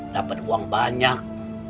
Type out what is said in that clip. dapet uang banyak